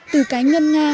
từ cái ngân nga